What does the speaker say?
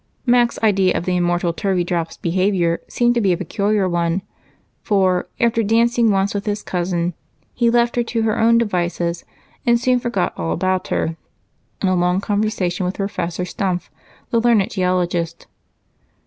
Mac's idea of the immortal Turveydrop's behavior seemed to be a peculiar one; for, after dancing once with his cousin, he left her to her own devices and soon forgot all about her in a long conversation with Professor Stumph, the learned geologist.